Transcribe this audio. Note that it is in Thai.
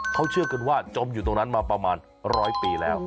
เขาเชื่อกันว่าจมอยู่ตรงนั้นมาประมาณร้อยปีแล้ว